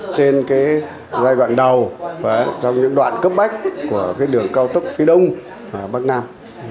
trên giai đoạn đầu trong những đoạn cấp bách của đường cao tốc phía đông bắc nam